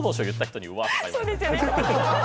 そうですよね。